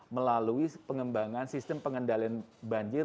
melalui pengembangan sistem pengendalian banjir